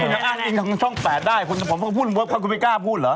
กูยังอ้านจริงตั้งช่องแปดได้พูดว่าพลักษณภิกษาพูดเหรอ